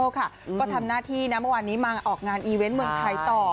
ก็ทำหน้าที่นะเมื่อวานนี้มาออกงานอีเวนต์เมืองไทยต่อ